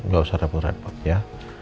gak usah repot repot ya